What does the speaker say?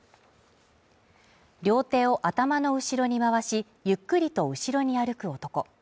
両手を頭の後ろに回し、ゆっくりと後ろに歩く男。